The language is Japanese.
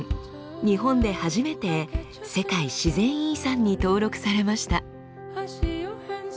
日本で初めて世界自然遺産に登録されました。